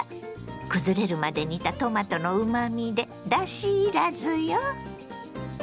くずれるまで煮たトマトのうまみでだしいらずよ。